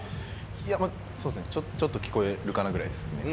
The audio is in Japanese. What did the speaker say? いや、まあ、そうっすね、ちょっと聞こえるかなぐらいですね。